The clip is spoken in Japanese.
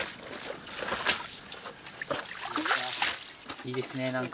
いいですね何か。